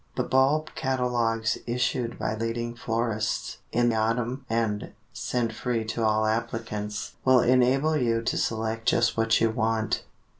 The Bulb catalogues issued by leading florists in the autumn, and sent free to all applicants, will enable you to select just what you want.